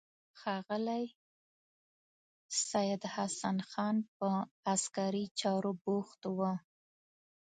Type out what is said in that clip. ښاغلی سید حسن خان په عسکري چارو بوخت و.